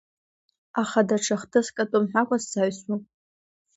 Аха даҽа хҭыск атәы мҳәакәан сзаҩсуам.